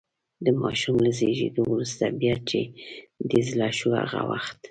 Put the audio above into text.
د ماشوم له زېږېدو وروسته، بیا چې دې زړه شو هغه وخت.